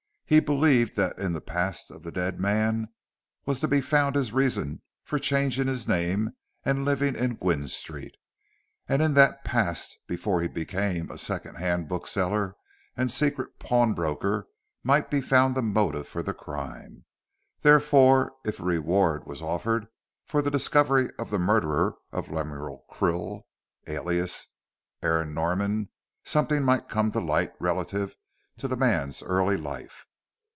He believed that in the past of the dead man was to be found his reason for changing his name and living in Gwynne Street. And in that past before he became a second hand bookseller and a secret pawnbroker might be found the motive for the crime. Therefore, if a reward was offered for the discovery of the murderer of Lemuel Krill, alias Aaron Norman, something might come to light relative to the man's early life.